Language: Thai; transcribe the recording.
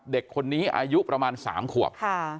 เด็กคนนี้อายุประมาณ๓ขวบ